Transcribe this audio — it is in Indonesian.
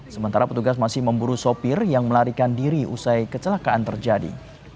sementara petugas masih memburu sopir yang melarikan diri usai kecelakaan terjadi